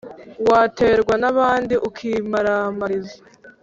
waterwa n’abandi ukimaramariza.